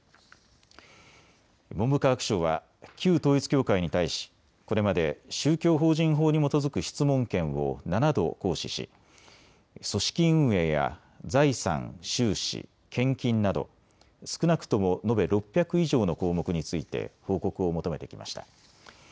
文部科学省は旧統一教会に対しこれまで宗教法人法に基づく質問権を７度行使し組織運営や財産・収支、献金など少なくとも延べ６００以上の項目について報告を求めてきました。